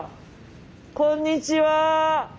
こんにちは！